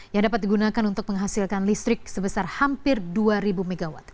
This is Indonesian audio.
yang dapat digunakan untuk menghasilkan listrik sebesar hampir dua ribu mw